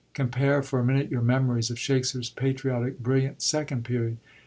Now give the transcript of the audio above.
Compare for a minute your memories of Shakspere's patriotic brilliant Second Period.